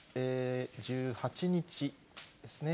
１８日ですね。